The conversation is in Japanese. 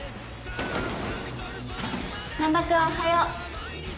難破君おはよう。